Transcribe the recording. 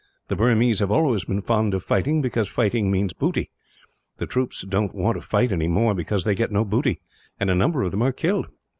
The Burmese have always been fond of fighting, because fighting means booty. The troops don't want to fight any more, because they get no booty, and a number of them are killed.